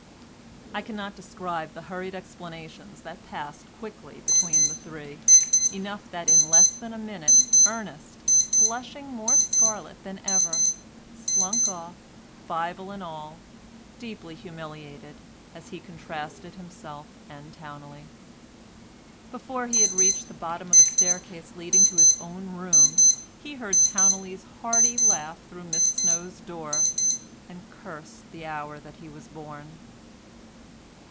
I cannot describe the hurried explanations that passed quickly between the three—enough that in less than a minute Ernest, blushing more scarlet than ever, slunk off, Bible and all, deeply humiliated as he contrasted himself and Towneley. Before he had reached the bottom of the staircase leading to his own room he heard Towneley's hearty laugh through Miss Snow's door, and cursed the hour that he was born.